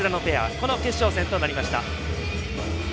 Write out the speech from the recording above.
この決勝戦となりました。